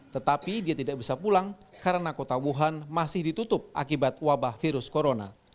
tetapi dia tidak bisa pulang karena kota wuhan masih ditutup akibat wabah virus corona